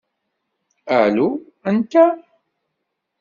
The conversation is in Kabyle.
Alu, anta?